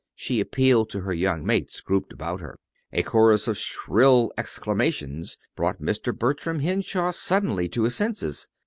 She appealed to her young mates grouped about her. A chorus of shrill exclamations brought Mr. Bertram Henshaw suddenly to his senses.